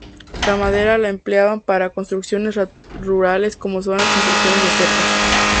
La madera la emplean para construcciones rurales como son la construcción de cercas.